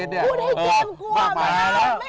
พูดให้เจมส์กลัวมากไม่อาจไม่อาจ